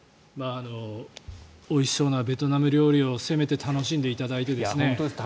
おいしそうなベトナム料理をせめて楽しんでいただいて。